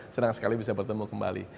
senang sekali bisa bertemu kembali